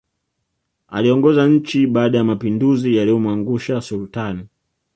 Aliongoza nchi baada ya mapinduzi yaliyomwangusha Sultani